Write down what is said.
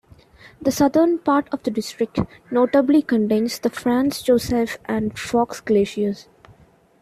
The southern part of the District notably contains the Franz Josef and Fox glaciers.